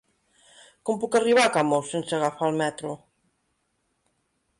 Com puc arribar a Camós sense agafar el metro?